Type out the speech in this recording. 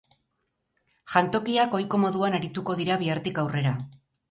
Jantokiak ohiko moduan arituko dira bihartik aurrera.